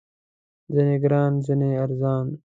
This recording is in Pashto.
ځینې ګران، ځینې ارزان